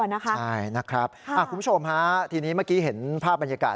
ใช่นะครับคุณผู้ชมฮะทีนี้เมื่อกี้เห็นภาพบรรยากาศ